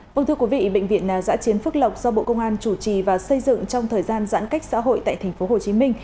vâng thưa quý vị bệnh viện giã chiến phức lọc do bộ công an chủ trì và xây dựng trong thời gian giãn cách xã hội tại tp hcm